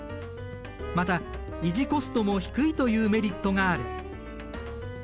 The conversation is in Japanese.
また維持コストも低いというメリットがある。